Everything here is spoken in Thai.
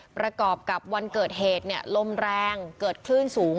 ประกอบกับวันเกิดเหตุลมแรงเกิดคลื่นสูง